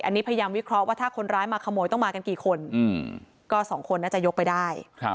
อันนี้พยายามวิเคราะห์ว่าถ้าคนร้ายมาขโมยต้องมากันกี่คนก็สองคนน่าจะยกไปได้